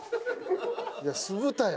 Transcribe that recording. いや酢豚や。